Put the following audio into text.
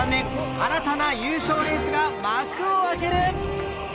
新たな優勝レースが幕を開ける。